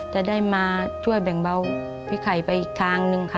จะได้มาช่วยแบ่งเบาพี่ไข่ไปอีกทางนึงค่ะ